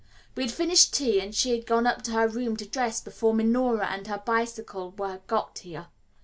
We had finished tea and she had gone up to her room to dress before Minora and her bicycle were got here.